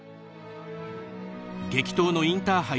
激闘のインターハイ